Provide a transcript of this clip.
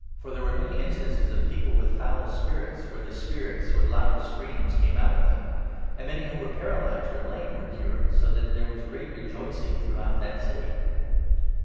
For there were many instances of people with foul spirits, where the spirits, with loud screams, came out of them ; and many who were paralyzed or lame were cured, so that there was great rejoicing throughout that city.